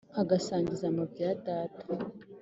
nkagasangiza amabya ya data